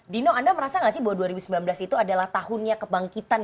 dino anda merasa nggak sih bahwa dua ribu sembilan belas itu adalah tahunnya kebangkitan